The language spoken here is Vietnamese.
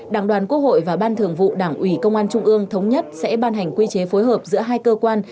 đảng đoàn quốc hội và ban thường vụ đảng ủy công an trung ương thống nhất sẽ ban hành quy chế phối hợp giữa hai cơ quan